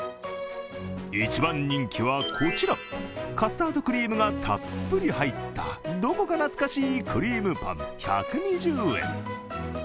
一番人気はこちら、カスタードクリームがたっぷり入ったどこか懐かしいクリームパン１２０円。